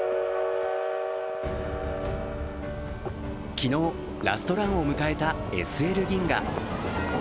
昨日、ラストランを迎えたＳＬ銀河。